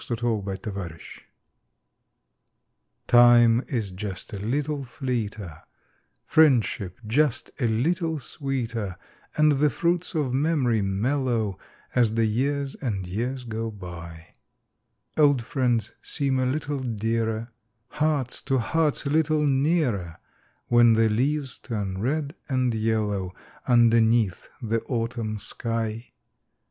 ©CI.A597234 IME is "just a little fleeter; priendship just a little sweeter; And the jruits of memoru mellcrcO ' I As the Ljears and Ejears ao btj. d Old 'friends seem a little dearer; Hearts to Hearts a little nearer, ( ADhen the leases turn red and Ljello^ Underneath the Autumn shij.